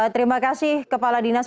terima kasih kepala dinas